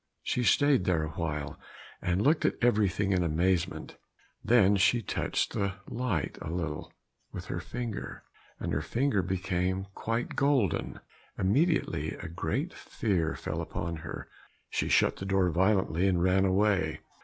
She stayed there awhile, and looked at everything in amazement; then she touched the light a little with her finger, and her finger became quite golden. Immediately a great fear fell on her. She shut the door violently, and ran away.